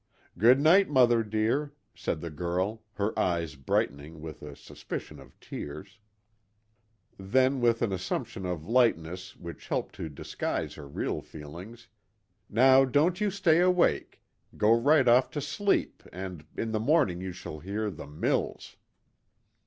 "Good night, mother dear," said the girl, her eyes brightening with a suspicion of tears. Then, with an assumption of lightness which helped to disguise her real feelings, "Now don't you stay awake. Go right off to sleep, and in the morning you shall hear the mills!"